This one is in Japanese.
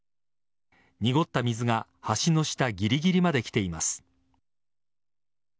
濁った水が橋の下ぎりぎりまで来ています。